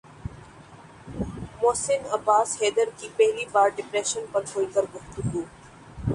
محسن عباس حیدر کی پہلی بار ڈپریشن پر کھل کر گفتگو